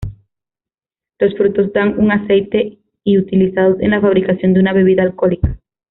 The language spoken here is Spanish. Los frutos dan un aceite, y utilizados en la fabricación de una bebida alcohólica.